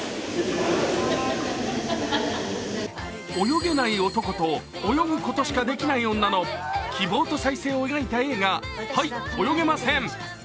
泳げない男と泳ぐことしかできない女の希望と再生を描いた映画「はい、泳げません」。